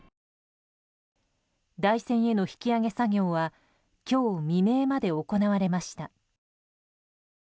台船への引き揚げ作業は今日未明まで行われました。